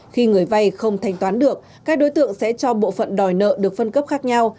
khi người vay không thanh toán được các đối tượng sẽ cho bộ phận đòi nợ được phân cấp khác nhau